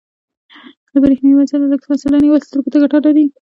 له بریښنایي وسایلو لږه فاصله نیول سترګو ته ګټه لري.